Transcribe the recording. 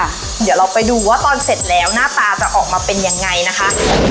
เดี๋ยวเราไปดูว่าตอนเสร็จแล้วหน้าตาจะออกมาเป็นยังไงนะคะ